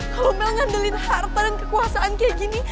kalau mau ngandelin harta dan kekuasaan kayak gini